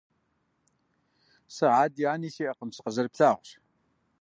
Сэ ади ани сиӀэкъым. Сыкъызэрыплъагъущ.